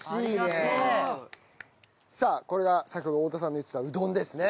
これが先ほど太田さんの言ってたうどんですね。